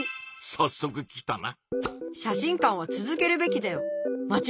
さっそく来たな。